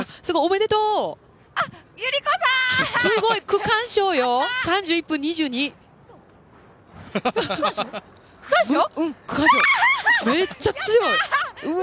めっちゃ強い！